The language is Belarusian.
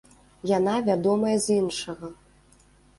Яна вядомая з іншага.